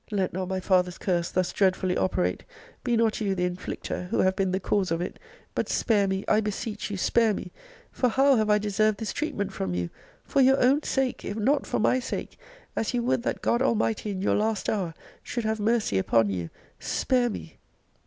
Let not my father's curse thus dreadfully operate! be not you the inflicter, who have been the cause of it: but spare me, I beseech you, spare me! for how have I deserved this treatment from you? for your own sake, if not for my sake, and as you would that God Almighty, in your last hour, should have mercy upon you, spare me!'